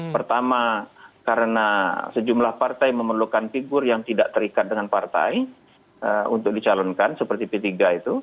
pertama karena sejumlah partai memerlukan figur yang tidak terikat dengan partai untuk dicalonkan seperti p tiga itu